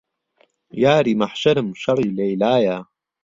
یاری مەحشەرم شەڕی لەیلایە